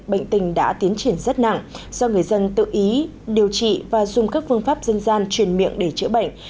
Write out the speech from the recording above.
bệnh tình đã tiến triển rất nặng do người dân tự ý điều trị và dùng các phương pháp dân gian truyền miệng để chữa bệnh